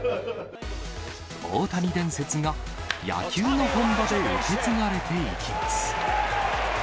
大谷伝説が野球の本場で受け継がれていきます。